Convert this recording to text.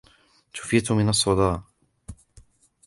شفيت من الصداع.